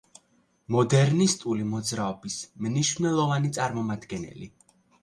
მოდერნისტული მოძრაობის მნიშვნელოვანი წარმომადგენელი.